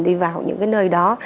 đi vào những nơi đó